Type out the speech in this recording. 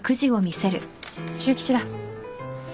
中吉だ。